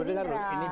itu kan keinginan